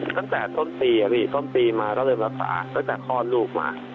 ตั้งแต่ต้นปีอะพี่ต้นปีมาก็เลยรักษาตั้งแต่คลอดลูกมา